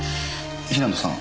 平野さん。